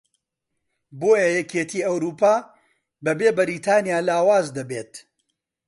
بۆیە یەکێتی ئەوروپا بەبێ بەریتانیا لاواز دەبێت